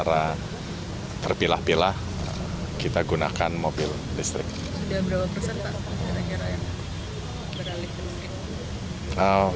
masih berada di istana